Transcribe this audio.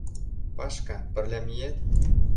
Пашка, пырля миет?